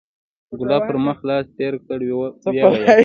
ګلاب پر مخ لاس تېر کړ ويې ويل.